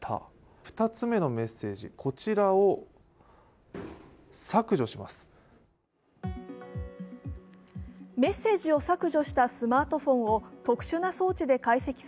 ２つ目のメッセージ、こちらを削除します。